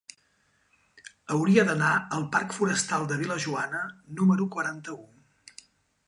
Hauria d'anar al parc Forestal de Vil·lajoana número quaranta-u.